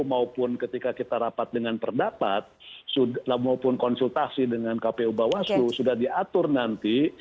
maupun ketika kita rapat dengan pendapat maupun konsultasi dengan kpu bawaslu sudah diatur nanti